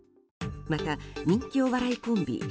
また、人気お笑いコンビ